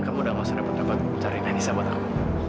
kamu udah masa masa dapat dapat cari anissa buat aku